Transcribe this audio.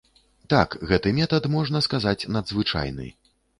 Так, гэты метад, можна сказаць, надзвычайны.